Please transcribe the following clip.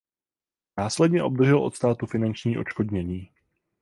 Následně obdržel od státu finanční odškodnění.